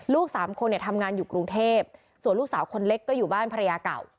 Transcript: สามคนเนี่ยทำงานอยู่กรุงเทพส่วนลูกสาวคนเล็กก็อยู่บ้านภรรยาเก่า